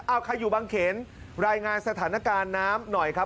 เอาใครอยู่บางเขนรายงานสถานการณ์น้ำหน่อยครับ